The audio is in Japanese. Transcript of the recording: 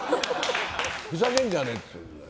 ふざけんじゃねえっていう。